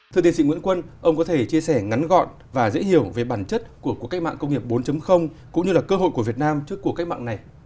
thưa tiến sĩ nguyễn quân ông có thể chia sẻ ngắn gọn và dễ hiểu về bản chất của cuộc cách mạng công nghiệp bốn cũng như là cơ hội của việt nam trước cuộc cách mạng này